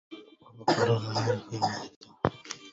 وعن حبي أغني!